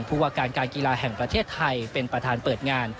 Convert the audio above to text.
ผู้ว่าการการกีฬาแห่งประเทศไทยเป็นประธานเปิดงาน